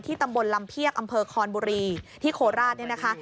ตำบลลำเพียกอำเภอคอนบุรีที่โคราชเนี่ยนะคะ